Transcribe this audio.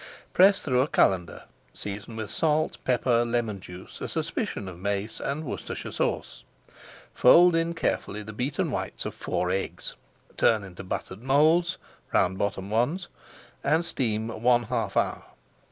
Press through a colander, season with salt, pepper, lemon juice, a suspicion of mace, and Worcestershire Sauce. Fold in carefully the beaten whites of four eggs. Turn into buttered moulds (round bottomed ones) and steam one half hour.